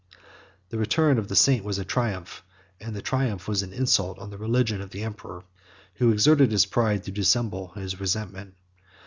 The return of the saint was a triumph; and the triumph was an insult on the religion of the emperor, who exerted his pride to dissemble his resentment.